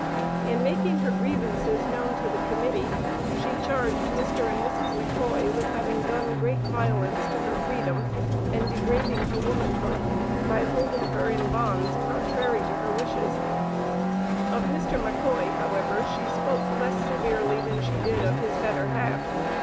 In making her grievances known to the Committee she charged Mr. and Mrs. McCoy with having done great violence to her freedom and degrading her womanhood by holding her in bonds contrary to her wishes. Of Mr. McCoy, however, she spoke less severely than she did of his "better half."